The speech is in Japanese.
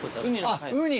あっウニ。